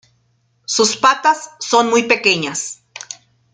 Sus patas son muy pequeñas.